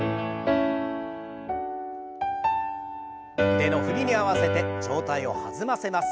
腕の振りに合わせて上体を弾ませます。